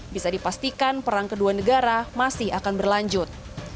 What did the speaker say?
bisa dipastikan perang kedua negara masih akan berlanjut